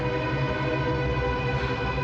ya udah mas